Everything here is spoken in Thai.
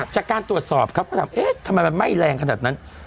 จากการตรวจสอบครับก็ถามเอ๊ะทำไมมันไหม้แรงขนาดนั้น